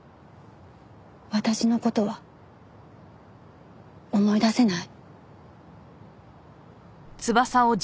私の事は思い出せない？